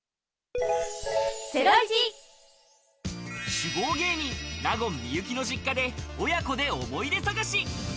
酒豪芸人、納言・幸の実家で親子で思い出探し。